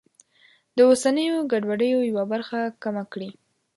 د اوسنیو ګډوډیو یوه برخه کمه کړي.